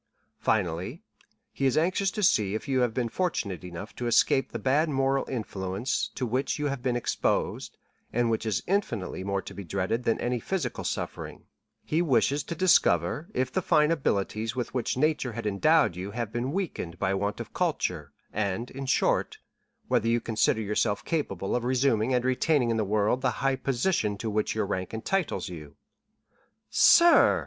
Finally, he is anxious to see if you have been fortunate enough to escape the bad moral influence to which you have been exposed, and which is infinitely more to be dreaded than any physical suffering; he wishes to discover if the fine abilities with which nature had endowed you have been weakened by want of culture; and, in short, whether you consider yourself capable of resuming and retaining in the world the high position to which your rank entitles you." "Sir!"